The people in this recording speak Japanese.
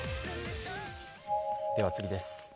では次です。